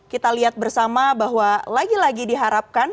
kita lihat bersama bahwa lagi lagi diharapkan